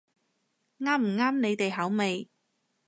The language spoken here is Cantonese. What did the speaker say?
啱唔啱你哋口味